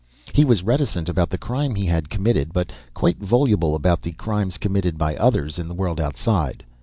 He was reticent about the crime he had committed, but quite voluble about the crimes committed by others in the world outside.